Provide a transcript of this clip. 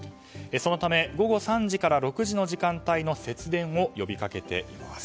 そのため、午後３時から６時の時間帯の節電を呼びかけています。